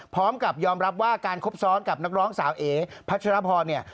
พร้อมกับยอมรับว่าการคบซ้อนกับนักร้องสาวเอ๋พัชรพรเนี่ย